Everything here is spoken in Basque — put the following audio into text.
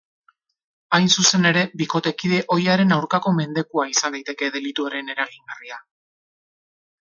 Hain zuzen ere, bikotekide ohiaren aurkako mendekua izan daiteke delituaren eragingarria.